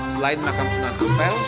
selain makam sunan kapel